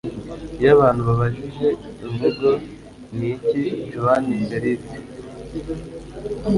Iyo abantu babajije imivugo ni iki Juan Felippe